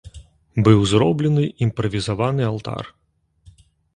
Быў зроблены імправізаваны алтар.